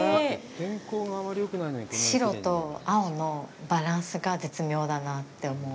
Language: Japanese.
白と青のバランスが絶妙だなって思う。